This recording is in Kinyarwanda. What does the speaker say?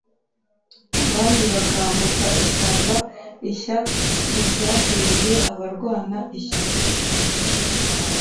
Abandi bakambuka ishyamba Ishya ntiryahiriye abarwana ishyaka